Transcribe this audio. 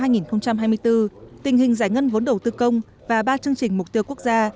tình hình giải ngân vốn đầu tư công và ba chương trình mục tiêu quốc gia